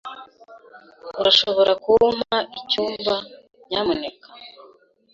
Urashobora kumpa icyumba, nyamuneka?